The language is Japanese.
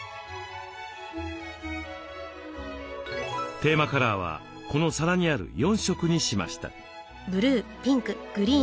テーマカラーはこの皿にある４色にしました。